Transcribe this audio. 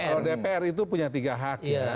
kalau dpr itu punya tiga hak ya